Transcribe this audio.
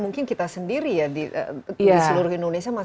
mungkin kita sendiri ya di seluruh indonesia